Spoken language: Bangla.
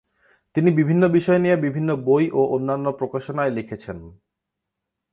তিনি বিভিন্ন বিষয় নিয়ে বিভিন্ন বই ও অন্যান্য প্রকাশনায় লিখেছেন।